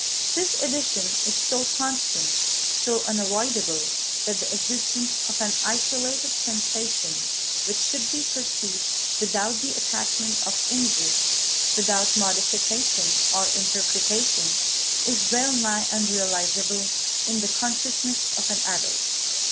This addition is so constant, so unavoidable, that the existence of an isolated sensation which should be perceived without the attachment of images, without modification or interpretation, is well nigh unrealisable in the consciousness of an adult.